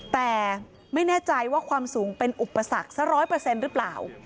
แต่ไม่แน่ใจว่าความสูงเป็นอุปสรรคสัก๑๐๐หรือเปล่า